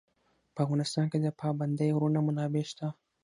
په افغانستان کې د پابندی غرونه منابع شته.